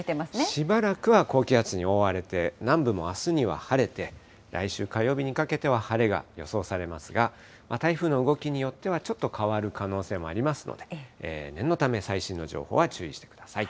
しばらくは高気圧に覆われて、南部もあすには晴れて、来週火曜日にかけては晴れが予想されますが、台風の動きによってはちょっと変わる可能性もありますので、念のため、最新の情報は注意してください。